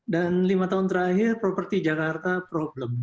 dan lima tahun terakhir properti jakarta problem